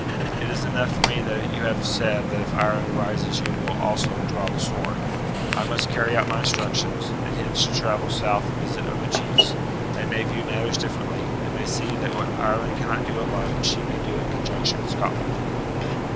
It is enough for me that you have said that if Ireland rises you will also draw the sword. I must carry out my instructions, and hence shall travel south and visit other chiefs; they may view matters differently, and may see that what Ireland cannot do alone she may do in conjunction with Scotland."